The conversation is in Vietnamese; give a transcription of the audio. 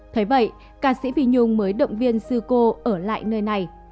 thế vậy ca sĩ phi nhung mới động viên sư cô ở lại nơi này